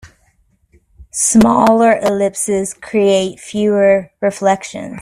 Smaller ellipses create fewer reflections.